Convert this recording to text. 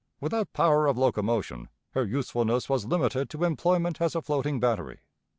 Without power of locomotion, her usefulness was limited to employment as a floating battery.